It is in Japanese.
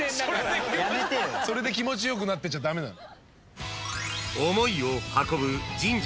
それで気持ち良くなってちゃ駄目なの。